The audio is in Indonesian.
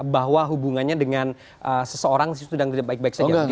bahwa hubungannya dengan seseorang itu sudah baik baik saja